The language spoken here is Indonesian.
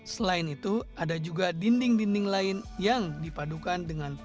selain itu ada juga dinding dinding lain yang dipadukan dengan